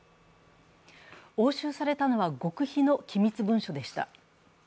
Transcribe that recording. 押収されたのは極秘の機密文書でした。